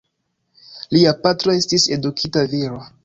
Lia patro estis edukita viro.